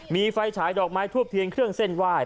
มีไฟฉายดอกไม้ทูบเทียนเครื่องเส้นไหว้